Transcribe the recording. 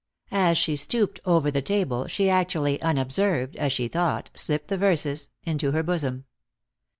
As she stooped over the table, she actually, unobserved, as she thought, slipped the verses into her bosom.